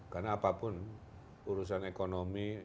karena apapun urusan ekonomi